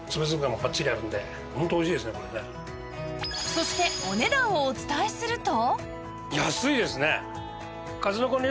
そしてお値段をお伝えすると